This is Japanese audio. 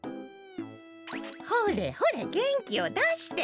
ほれほれげんきをだして。